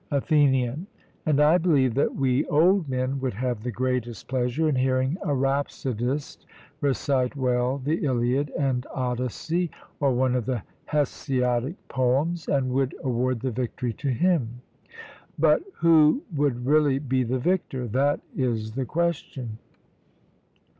ATHENIAN: And I believe that we old men would have the greatest pleasure in hearing a rhapsodist recite well the Iliad and Odyssey, or one of the Hesiodic poems, and would award the victory to him. But, who would really be the victor? that is the question.